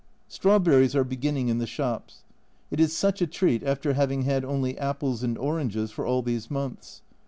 Strawberries are beginning in the shops ; it is such a treat after having had only apples and oranges for all these months.